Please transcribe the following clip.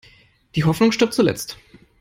Die Hoffnung stirbt zuletzt.